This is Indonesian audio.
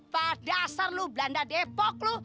pada asar lu belanda depok lu